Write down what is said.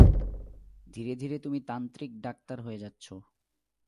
ধীরে ধীরে তুমি তান্ত্রিক ডাক্তার হয়ে যাচ্ছো!